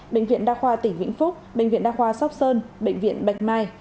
bệnh viện đa khoa tỉnh vĩnh phúc bệnh viện đa khoa sóc sơn bệnh viện bạch mai